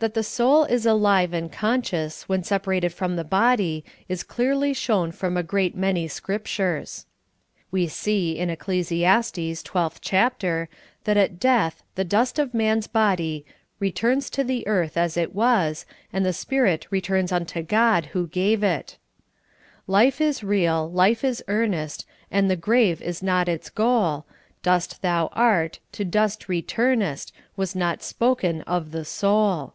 That the soul is alive and conscious ivhcn sepa rated from the body is clearly shown from a great many Scriptiires. We see, in Ecclesia.stes, i2tli chapter, that at death the dust of man's body "returns to the earth as it was, and the spirit returns unto God who gave it. ''" Life is real, Hfe is earnest. And the grave is not its goal, . Dust thou art, to dust returnest. Was not spoken of the soul."